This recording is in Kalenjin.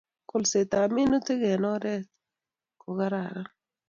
Kolset ab minutik eng oret be kararan